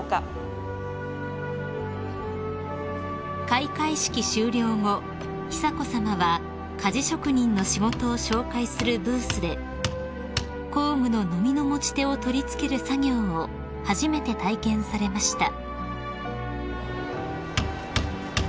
［開会式終了後久子さまは鍛冶職人の仕事を紹介するブースで工具ののみの持ち手を取り付ける作業を初めて体験されました］